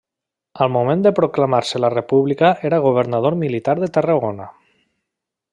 Al moment de proclamar-se la República era governador militar de Tarragona.